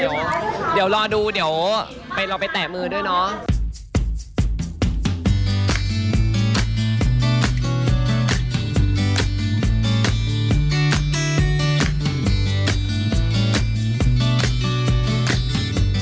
อยากรอดูเดี๋ยวเราไปแต่มือด้วยเนาะ